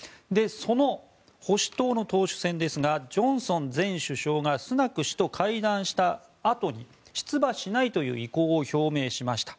その保守党の党首選ですがジョンソン前首相がスナク氏と会談したあとに出馬しないという意向を表明しました。